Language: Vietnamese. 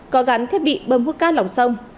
có gắn thiết bị bơm hút cát lòng sông